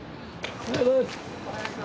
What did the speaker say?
おはようございます。